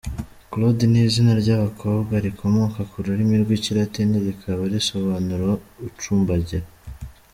Claude ni izina ry’abakobwa rikomoka ku rurimi rw’Ikilatini rikaba risobanura “Ucumbagira”.